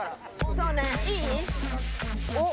そうねいい？どう？